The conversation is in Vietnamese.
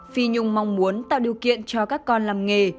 phi nhung mong muốn tạo điều kiện cho các con làm nghề